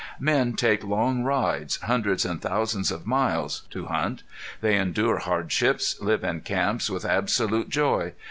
Men take long rides, hundreds and thousands of miles, to hunt. They endure hardships, live in camps with absolute joy.